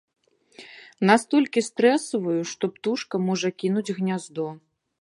Настолькі стрэсавую, што птушка можа кінуць гняздо.